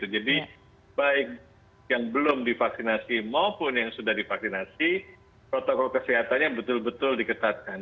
jadi baik yang belum divaksinasi maupun yang sudah divaksinasi protokol kesehatannya betul betul diketatkan